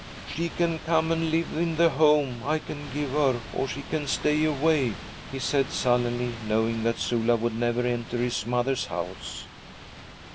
'She can come and live in the home I can give her or she can stay away,' he said sullenly, knowing that Sula would never enter his mother's house.